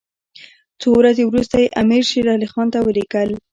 څو ورځې وروسته یې امیر شېر علي خان ته ولیکل.